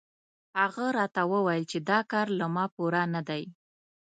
هغه راته وویل چې دا کار له ما پوره نه دی.